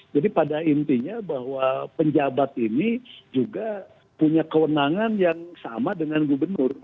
pada intinya bahwa penjabat ini juga punya kewenangan yang sama dengan gubernur